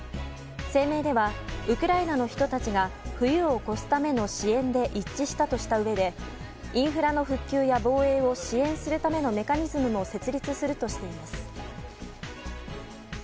声明ではウクライナの人たちが冬を越すための支援で一致したとしたうえでインフラの復旧や防衛を支援するためのメカニズムも設立するとしています。